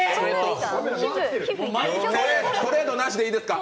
トレードなしでいいですか？